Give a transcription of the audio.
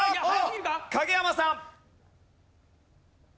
影山さん。